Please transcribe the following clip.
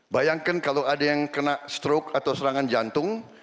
bayangkan kalau ada yang kena stroke atau serangan jantung